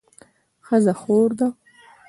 ښځه خور ده